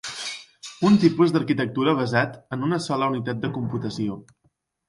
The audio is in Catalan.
Un tipus d'arquitectura basat en una sola unitat de computació.